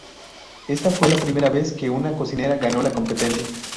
Esta fue la primera vez que una cocinera ganó la competencia.